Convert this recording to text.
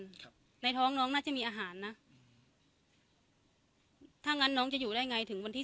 ครับในท้องน้องน่าจะมีอาหารนะถ้างั้นน้องจะอยู่ได้ไงถึงวันที่